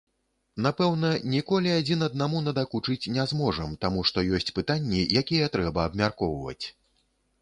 Напэўна, ніколі адзін аднаму надакучыць не зможам, таму што ёсць пытанні, якія трэба абмяркоўваць.